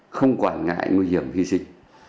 không quản ngại nguy hiểm hy sinh